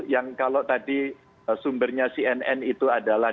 yang kalau tadi sumbernya cnn itu adalah